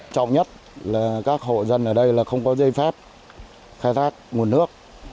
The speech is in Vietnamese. trọng nhất là các hộ dân ở đây là không có dây phép khai thác nguồn nước